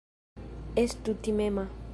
Estu timema.